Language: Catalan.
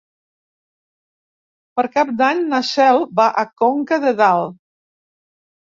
Per Cap d'Any na Cel va a Conca de Dalt.